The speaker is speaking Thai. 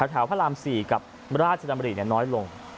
พระราม๔กับราชดำริน้อยลง